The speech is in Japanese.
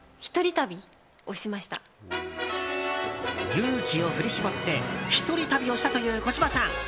勇気を振り絞って１人旅をしたという小芝さん。